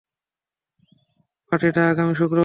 পার্টিটা আগামী শুক্রবারে।